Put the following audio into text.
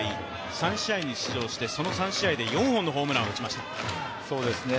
３試合に出場してその３試合で４本のホームランを打ちました。